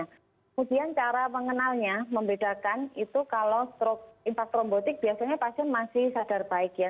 kemudian cara mengenalnya membedakan itu kalau stroke impactrombotik biasanya pasien masih sadar baik ya